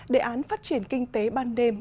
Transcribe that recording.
đề án phát triển kinh tế ban đêm